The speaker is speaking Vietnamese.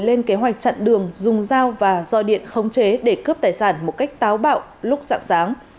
nên kế hoạch chặn đường dùng dao và do điện khống chế để cướp tài sản một cách táo bạo lúc sạc sáng